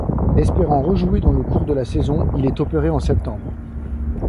Espérant rejouer dans le cours de la saison, il est opéré en septembre.